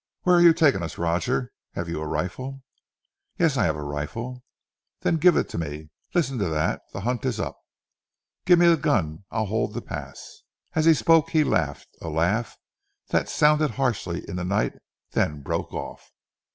where are you taking us, Roger? Have you a rifle?" "Yes! I have a rifle " "Then give it me. Listen to that! The hunt is up. Give me the gun. I'll hold the pass." As he spoke he laughed a laugh that sounded harshly in the night, then broke off.